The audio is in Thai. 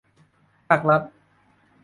ภาครัฐ